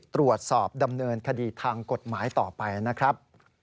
ตรวจสอบดำเนินคดีทางกฎหมายต่อไปนะครับ